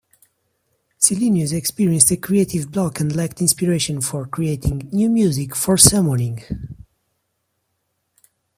Silenius experienced a creative block and lacked inspiration for creating new music for Summoning.